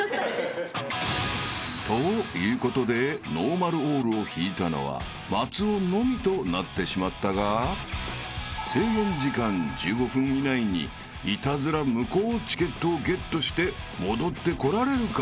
［ということでノーマルオールを引いたのは松尾のみとなってしまったが制限時間１５分以内にイタズラ無効チケットをゲットして戻ってこられるか？］